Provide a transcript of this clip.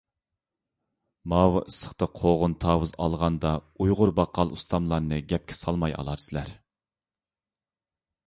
ماۋۇ ئىسسىقتا قوغۇن-تاۋۇز ئالغاندا ئۇيغۇر باققال ئۇستاملارنى گەپكە سالماي ئالارسىلەر.